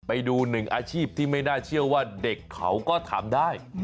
ไปดูหนึ่งอาชีพที่ไม่น่าเชื่อว่าเด็กเขาก็ทำได้